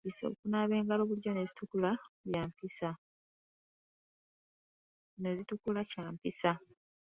Okunaaba engalo bulijjo ne zitukula kya mpisa.